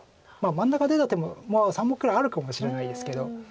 真ん中出た手もまあ３目ぐらいあるかもしれないですけど。